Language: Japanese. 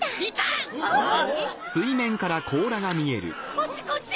・こっちこっち！